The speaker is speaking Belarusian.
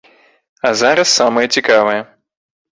А зараз самае цікавае!